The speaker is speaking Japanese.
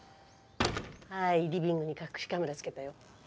はいリビングに隠しカメラつけたよ。